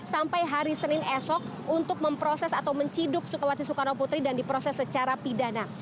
sampai hari senin esok untuk memproses atau menciduk soekarno putri dan diproses secara pidana